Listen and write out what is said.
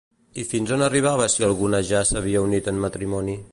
I fins on arribava si alguna ja s'havia unit en matrimoni?